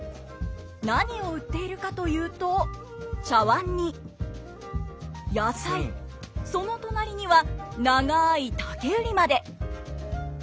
何を売っているかというとその隣には長い竹売りまで！